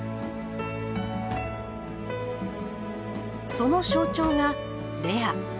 その象徴がレア。